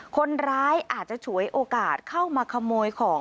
คนร้ายอาจจะฉวยโอกาสเข้ามาขโมยของ